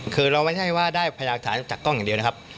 คือเราไม่ใช่ว่าได้พยากฐานจากกล้องอย่างเดียวนะครับ